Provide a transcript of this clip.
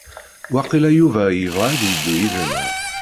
Waqila Yuba ibɣa ad yeddu yid-neɣ.